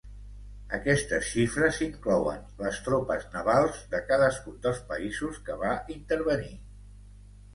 Aquestes xifres inclouen les tropes navals de cadascun dels països que va intervenir.